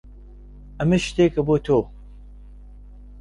ئەمە شتێکە بۆ تۆ.